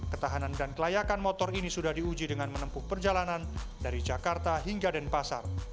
ketahanan dan kelayakan motor ini sudah diuji dengan menempuh perjalanan dari jakarta hingga denpasar